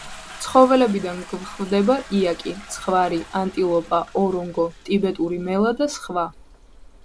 ცხოველებიდან გვხვდება იაკი, ცხვარი, ანტილოპა, ორონგო, ტიბეტური მელა და სხვა.